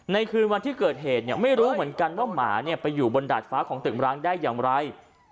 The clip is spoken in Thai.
คืนวันที่เกิดเหตุเนี่ยไม่รู้เหมือนกันว่าหมาไปอยู่บนดาดฟ้าของตึกร้างได้อย่างไร